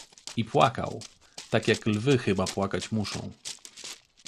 "I płakał, tak jak lwy chyba płakać muszą."